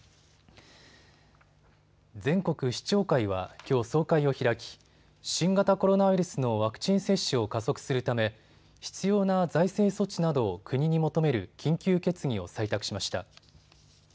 全国市長会はきょう総会を開き新型コロナウイルスのワクチン接種を加速するため必要な財政措置などを国に求める緊急決議を採択しました。